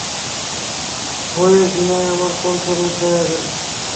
ভয়ে ঘৃণায় আমার কণ্ঠ রোধ হইয়া গেল।